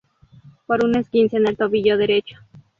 Por un esguince en el tobillo derecho.